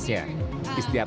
istiato sigit jakarta